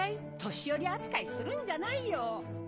年寄り扱いするんじゃないよ！